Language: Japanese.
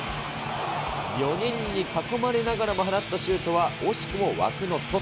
４人に囲まれながらも放ったシュートは、惜しくも枠の外。